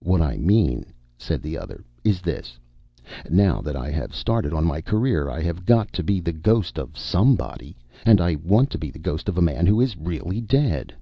"What I mean," said the other, "is this: Now that I have started on my career I have got to be the ghost of somebody, and I want to be the ghost of a man who is really dead."